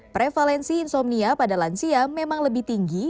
prevalensi insomnia pada lansia memang lebih tinggi